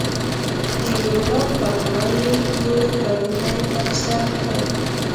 د وروڼو په غلا یې تور پوړنی پر سر کړ.